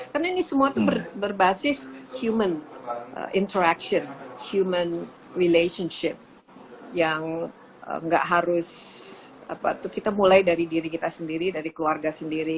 karena ini semua berbasis human interaction human relationship yang nggak harus kita mulai dari diri kita sendiri dari keluarga sendiri